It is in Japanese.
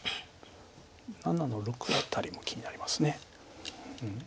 ７の六辺りも気になります。